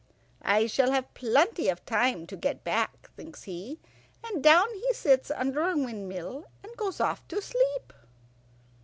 "I shall have plenty of time to get back," thinks he, and down he sits under a windmill and goes off to sleep.